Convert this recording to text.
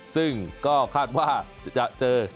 ซึ่งก็คาดว่าจะเจอ